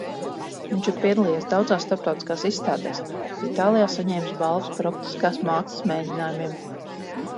Viņš ir piedalījies daudzās starptautiskās izstādēs, Itālijā saņēmis balvas par optiskās mākslas mēģinājumiem.